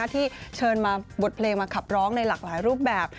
ที่เชิญมาบทเพลงมาขับร้องในหลากหลายรูปแบบ